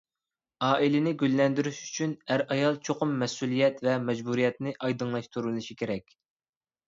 ئائىلىنى گۈللەندۈرۈش ئۈچۈن، ئەر-ئايال چوقۇم مەسئۇلىيەت ۋە مەجبۇرىيىتىنى ئايدىڭلاشتۇرۇۋېلىشى كېرەك!